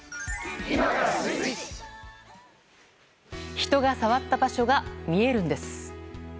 人が触った場所が見えるんです。